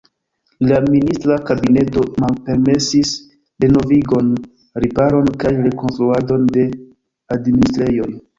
La ministra kabineto malpermesis renovigon, riparon kaj rekonstruadon de administrejoj.